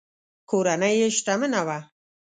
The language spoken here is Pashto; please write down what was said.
کورنۍ یې شتمنه وه.